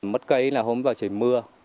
mất cây là hôm đó trời mưa